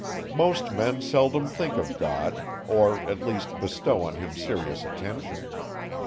Most men seldom think of God, or, at least, bestow on him serious attention.